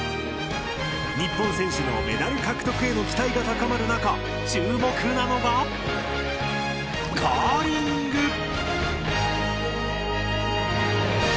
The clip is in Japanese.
日本選手のメダル獲得への期待が高まるなか注目なのがカーリング！